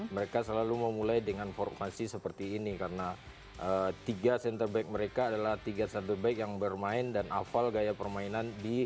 mereka selalu memulai dengan formasi seperti ini karena tiga center back mereka adalah tiga center back yang bermain dan hafal gaya permainan